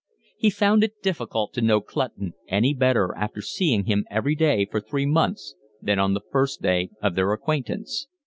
He found it difficult to know Clutton any better after seeing him every day for three months than on the first day of their acquaintance.